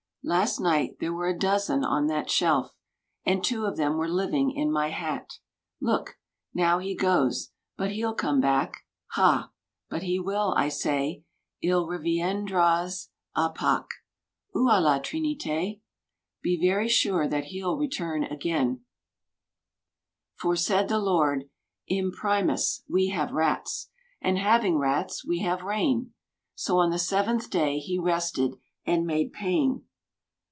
Last night there were a dozen on that shelf. And two of them were living in my hat. Look! Now he goes, but he'll come back — Ha? But he will, I say ... II reviendra z a P&ques^ Ouh la TrinUk ... Be very sure that he'll return again; {25i For said the Lord: Imprimis, we have rats. And having rats, we have rain. — So on the seventh day He rested, and made Pain.